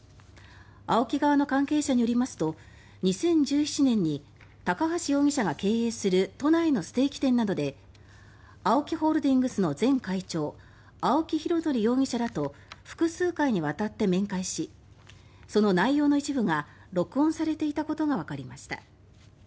ＡＯＫＩ側の関係者によりますと２０１７年に高橋容疑者が経営する都内のステーキ店などでＡＯＫＩホールディングスの前会長、青木拡憲前会長らと複数回にわたって面会しその内容の一部が録音されていたことがわかりました。